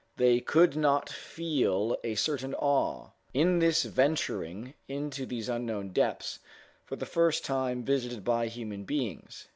They could not but feel a certain awe, in this venturing into these unknown depths, for the first time visited by human beings.